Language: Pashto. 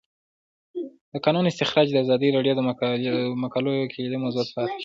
د کانونو استخراج د ازادي راډیو د مقالو کلیدي موضوع پاتې شوی.